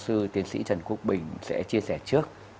phó giáo sư tiến sĩ trần quốc bình sẽ chia sẻ trước